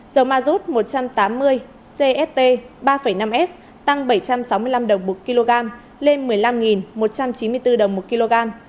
dầu ma rút một trăm tám mươi cst ba năm s tăng bảy trăm sáu mươi năm đồng một kg lên một mươi năm một trăm chín mươi bốn đồng một kg